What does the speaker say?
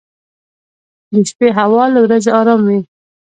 • د شپې هوا له ورځې ارام وي.